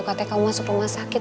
ketika kamu masuk rumah sakit